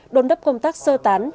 đồn đấp công tác sơ tán